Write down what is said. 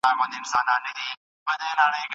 د ژوندو خلکو کال شو نوی، مبارک! خو زما